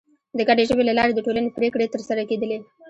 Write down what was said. د ګډې ژبې له لارې د ټولنې پرېکړې تر سره کېدلې.